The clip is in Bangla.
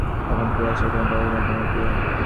এখন, ফিরে আসার জন্য তাড়াহুড়ো করোনা, প্রিয়।